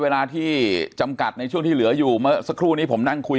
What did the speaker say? เวลาที่จำกัดในช่วงที่เหลืออยู่เมื่อสักครู่นี้ผมนั่งคุย